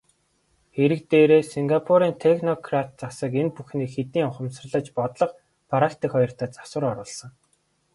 Хэрэг дээрээ Сингапурын технократ засаг энэ бүхнийг хэдийн ухамсарлаж бодлого, практик хоёртоо засвар оруулсан.